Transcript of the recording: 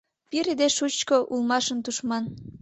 Пире деч шучко улмашын тушман.